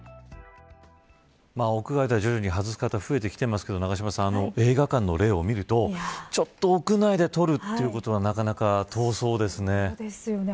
屋外では自由に外す方、増えてきてますけど映画館の例を見るとちょっと屋内で取るということはなかなか遠そうですね。